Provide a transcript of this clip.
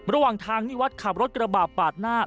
ระหว่างทางนิวัฒน์ขับรถกระบาดปาดหน้า